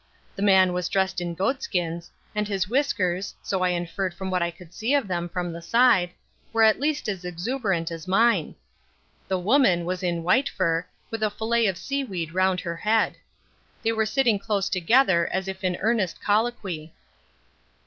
The man was dressed in goatskins, and his whiskers, so I inferred from what I could see of them from the side, were at least as exuberant as mine. The woman was in white fur with a fillet of seaweed round her head. They were sitting close together as if in earnest colloquy.